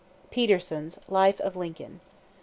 (Peterson's "Life of Lincoln.")